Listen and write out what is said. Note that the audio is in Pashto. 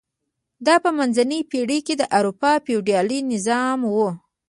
دا په منځنۍ پېړۍ کې د اروپا فیوډالي نظام و.